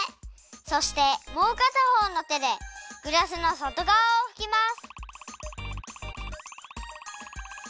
そしてもうかたほうの手でグラスの外がわをふきます。